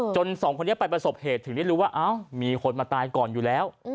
สองคนนี้ไปประสบเหตุถึงได้รู้ว่ามีคนมาตายก่อนอยู่แล้ว